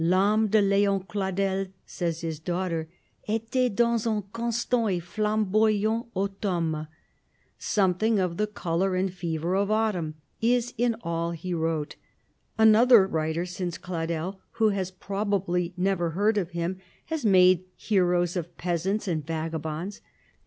L'âme de Léon Cladel, says his daughter, était dans un constant et flamboyant automne. Something of the colour and fever of autumn is in all he wrote. Another writer since Cladel, who has probably never heard of him, has made heroes of peasants and vagabonds.